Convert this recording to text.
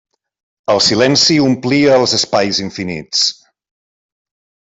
El silenci omplia els espais infinits.